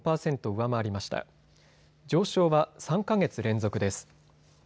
上昇は３か月連続です。